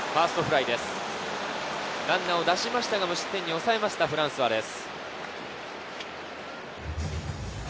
ランナーを出しましたが、無失点に抑えました、フランスアです。